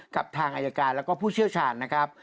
กับทางอายการแล้วก็ผู้เชี่ยวชาญนะครับ